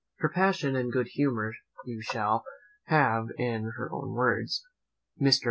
Her passion and good humour you shall have in her own words. "MR.